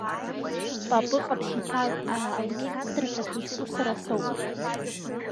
Папыҟаԥшь иԥа Алықьсандр ҳәа шәызҿу сара соуп!